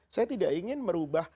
saya tidak ingin merubah